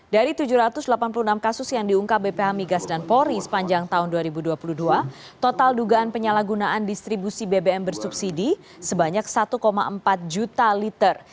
dari tujuh ratus delapan puluh enam kasus yang diungkap bph migas dan polri sepanjang tahun dua ribu dua puluh dua total dugaan penyalahgunaan distribusi bbm bersubsidi sebanyak satu empat juta liter